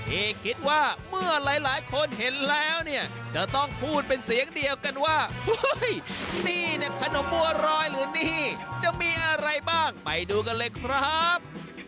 ที่คิดว่าเมื่อหลายคนเห็นแล้วเนี่ยจะต้องพูดเป็นเสียงเดียวกันว่าเฮ้ยนี่เนี่ยขนมบัวรอยหรือนี่จะมีอะไรบ้างไปดูกันเลยครับ